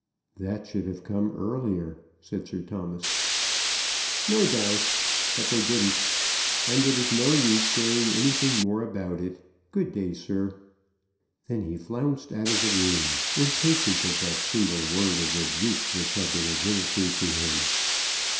"They should have come earlier," said Sir Thomas. "No doubt; but they didn't, and it is no use saying anything more about it. Good day, sir." Then he flounced out of the room, impatient of that single word of rebuke which had been administered to him.